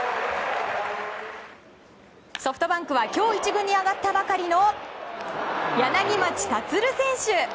ソフトバンクは今日、１軍に上がったばかりの柳町達選手。